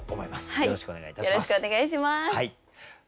よろしくお願いします。